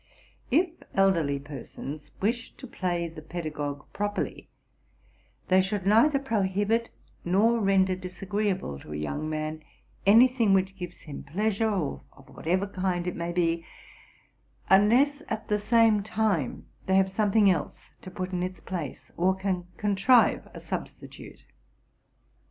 If elderly persons wish to play the pedagogue properly, they should neither prohibit nor render disagreeable to a young man any thing which gives him pleasure, of whatever kind it may be, unless, at the same time, they have some thing else to put in its place, or can contrive a substitute.